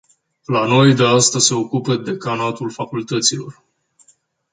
La noi de asta se ocupă decanatul facultăților.